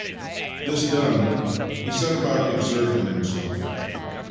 This done, he set about ex erting himself.